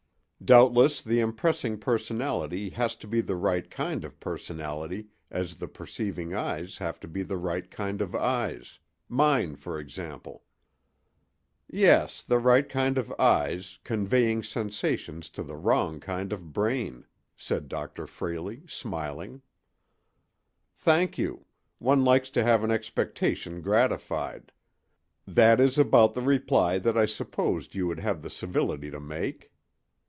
Doubtless the impressing personality has to be the right kind of personality as the perceiving eyes have to be the right kind of eyes—mine, for example." "Yes, the right kind of eyes, conveying sensations to the wrong kind of brain," said Dr. Frayley, smiling. "Thank you; one likes to have an expectation gratified; that is about the reply that I supposed you would have the civility to make."